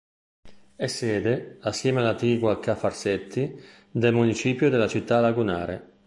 È sede, assieme all'attigua Ca' Farsetti, del municipio della città lagunare.